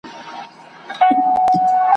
سرې لمبې په غېږ کي ګرځولای سي ,